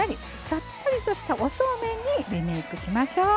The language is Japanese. さっぱりとしたおそうめんにリメイクしましょう。